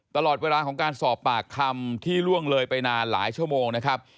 ตลอดเวลาของการสอบปากคำที่ล่วงเลยไปนานหลายชั่วโมงนะครับ